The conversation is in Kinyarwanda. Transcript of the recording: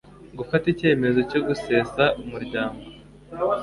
gufata icyemezo cyo gusesa umuryango